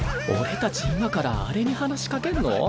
俺たち今からあれに話しかけんの？